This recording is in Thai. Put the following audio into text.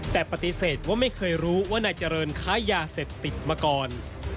แต่ปฏิเสธว่าไม่เคยรู้ว่านายเจริญค้ายาเสพติดมาก่อน